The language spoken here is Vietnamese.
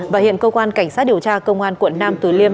và hiện cơ quan cảnh sát điều tra công an quận nam tử liêm